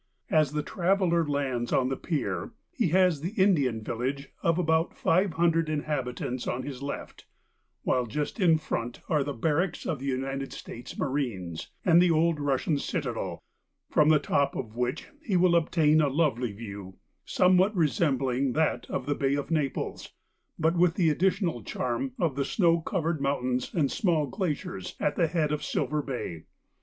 As the traveller lands on the pier, he has the Indian village of about five hundred inhabitants on his left, while just in front are the barracks of the United States marines, and the old Russian citadel, from the top of which he will obtain a lovely view, somewhat resembling that of the Bay of Naples, but with the additional charm of the snow mountains and small glaciers at the head of Silver Bay.